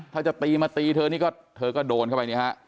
ถ้าจะตีมาตีเธอนี่ก็เธอก็โดนเข้าไปเนี่ยฮะ